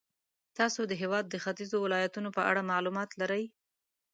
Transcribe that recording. تاسې د هېواد د ختیځو ولایتونو په اړه معلومات لرئ.